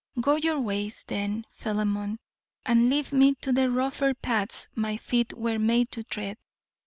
Go your ways, then, Philemon, and leave me to the rougher paths my feet were made to tread.